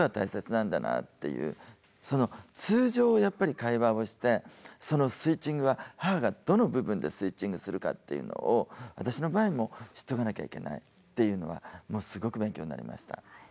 通常やっぱり会話をしてそのスイッチングが母がどの部分でスイッチングするかっていうのを私の場合も知っておかなきゃいけないっていうのはもうすごく勉強になりました。